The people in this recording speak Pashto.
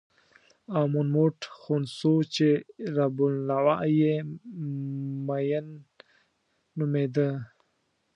امون موټ خونسو چې رب النوع یې مېن نومېده.